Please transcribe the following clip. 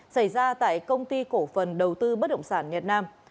xảy ra tại công ty cổ phần đầu tư bất động sản nhật nam